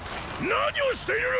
何をしている！